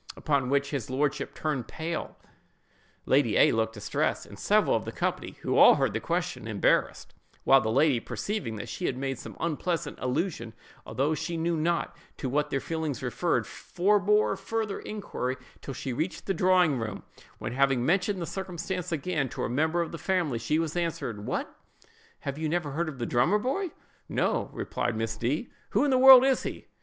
—upon which his lordship turned pale, Lady A—— looked distressed, and several of the company (who all heard the question) embarrassed; while the lady, perceiving that she had made some unpleasant allusion, although she knew not to what their feelings referred, forbore further inquiry till she reached the drawing room, when, having mentioned the circumstance again to a member of the family, she was answered, "What! have you never heard of the drummer boy?"—"No," replied Miss D——; "who in the world is he?"